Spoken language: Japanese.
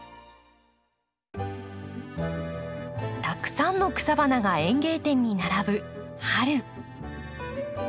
たくさんの草花が園芸店に並ぶ春。